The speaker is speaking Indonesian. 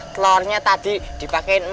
telurnya tadi dipakai empat